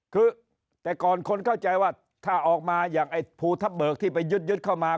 คือแต่ก่อนคนเข้าใจว่าถ้าออกมาอย่างไอ้ภูทับเบิกที่ไปยึดเข้ามา